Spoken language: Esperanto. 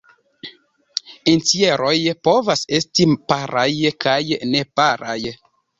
Entjeroj povas esti paraj kaj neparaj.